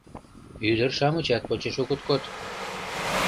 Ӱдыр-шамычат почеш огыт код.